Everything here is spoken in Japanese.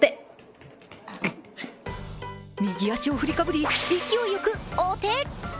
右足を振りかぶり、勢いよくお手！